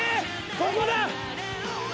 ここだ！